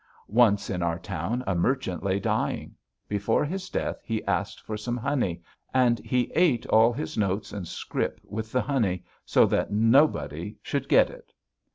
Once in our town a merchant lay dying. Before his death he asked for some honey, and he ate all his notes and scrip with the honey so that nobody should get it.